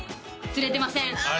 釣れてませんあ！